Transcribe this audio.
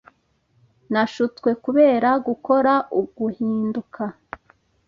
nashutswe kubera gukora U-guhinduka.